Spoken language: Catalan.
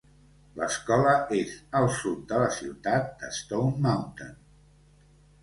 L'escola és al sud de la ciutat de Stone Mountain.